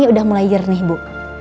udah mulai jernih bu